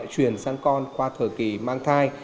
truyền sang con qua thời kỳ mang thai